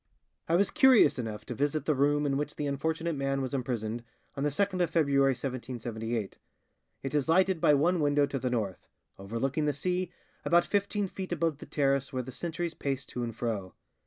"I was curious enough to visit the room in which the unfortunate man was imprisoned, on the 2nd of February 1778. It is lighted by one window to the north, overlooking the sea, about fifteen feet above the terrace where the sentries paced to and fro.